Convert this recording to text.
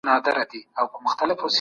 د مجردانو شمېریې وڅیړلې.